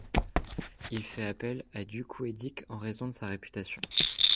Il fait appel à du Couëdic en raison de sa réputation.